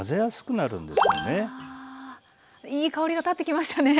いい香りが立ってきましたね。